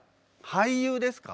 俳優ですか？